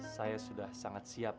saya sudah sangat siap